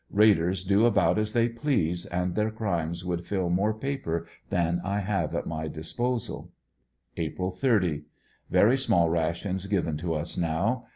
Raiders do about as they please, and their crimes would fill more paper than I have at my disposal. April 30. — Very small rations given to us now.